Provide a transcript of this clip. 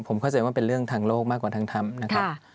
ผมเข้าใจว่าเป็นเรื่องทางโลกมากกว่าทางธรรมนะครับ